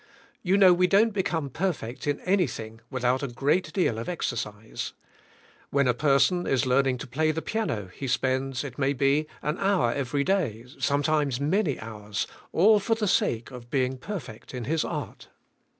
You know we don't become perfect in anything without a great deal of exercise. When a person is learning to play the piano he spends, it may be, an hour every day, sometimes many hours, all for the sake of being perfect in his art.